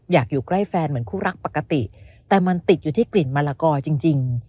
อยู่ใกล้แฟนเหมือนคู่รักปกติแต่มันติดอยู่ที่กลิ่นมะละกอจริง